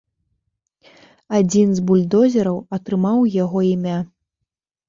Адзін з бульдозераў атрымаў яго імя.